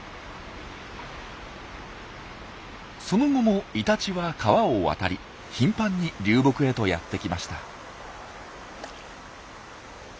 その後もイタチは川を渡り頻繁に流木へとやって来ました。